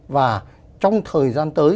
và trong thời gian tới